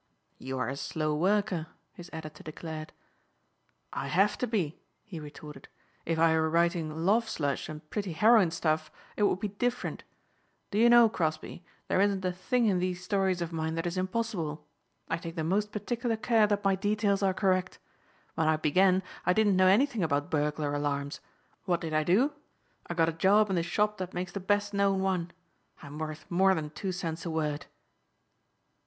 "You are a slow worker," his editor declared. "I have to be," he retorted. "If I were writing love slush and pretty heroine stuff it would be different. Do you know, Crosbeigh, there isn't a thing in these stories of mine that is impossible? I take the most particular care that my details are correct. When I began I didn't know anything about burglar alarms. What did I do? I got a job in the shop that makes the best known one. I'm worth more than two cents a word!"